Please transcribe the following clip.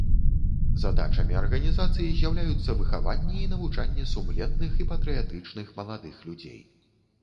Задачамі арганізацыі з'яўляюцца выхаванне і навучанне сумленных і патрыятычных маладых людзей.